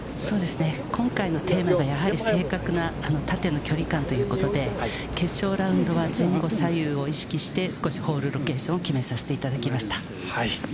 今回のテーマが正確な縦の距離感ということで、決勝ラウンドは前後左右を意識して少しホールロケーションを決めさせていただきました。